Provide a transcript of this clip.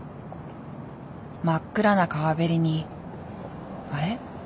真っ暗な川べりにあれ？